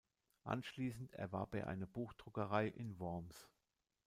Anschließend erwarb er eine Buchdruckerei in Worms.